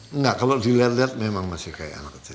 enggak kalau diliat liat memang masih kayak anak kecil